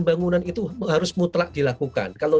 bangunan itu harus mutlak dilakukan kalau